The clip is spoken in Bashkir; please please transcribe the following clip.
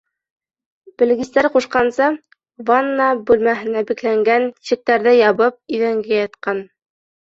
Белгестәр ҡушҡанса, ванна бүлмәһенә бикләнгән, тишектәрҙе ябып, иҙәнгә ятҡан.